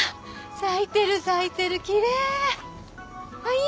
咲いてる咲いてるキレイ。